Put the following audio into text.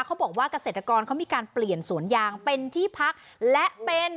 เขาบอกว่าเกษตรกรเขามีการเปลี่ยนสวนยางเป็นที่พักและเป็น